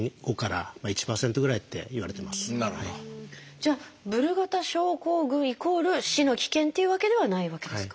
じゃあブルガダ症候群イコール死の危険っていうわけではないわけですか？